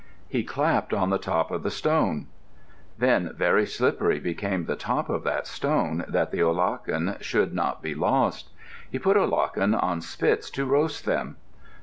He clapped on the top of the stone. Then very slippery became the top of that stone that the olachen should not be lost. He put olachen on spits to roast them.